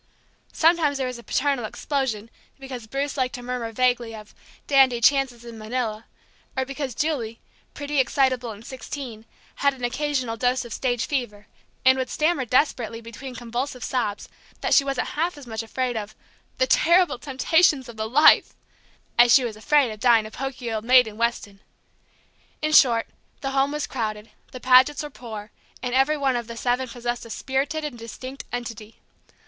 Sometimes there was a paternal explosion because Bruce liked to murmur vaguely of "dandy chances in Manila," or because Julie, pretty, excitable, and sixteen, had an occasional dose of stage fever, and would stammer desperately between convulsive sobs that she wasn't half as much afraid of "the terrible temptations of the life" as she was afraid of dying a poky old maid in Weston. In short, the home was crowded, the Pagets were poor, and every one of the seven possessed a spirited and distinct entity.